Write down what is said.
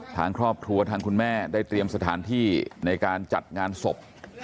ทางครอบครัวทางคุณแม่ได้เตรียมสถานที่ในการจัดงานศพ